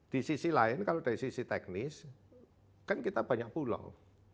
di sisi lain kalau dari sisi teknis kan kita banyak pulau